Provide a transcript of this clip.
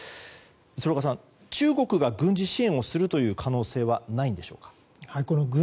鶴岡さん、中国が軍事支援をする可能性はないんでしょうか。